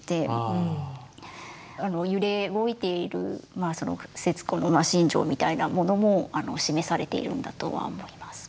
揺れ動いている節子の心情みたいなものも示されているんだとは思います。